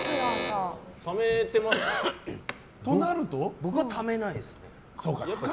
僕はためないですね。